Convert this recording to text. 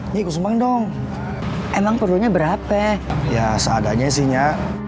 nyikus semangat dong emang perlunya berapa ya seadanya sih nya